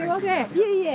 いえいえ。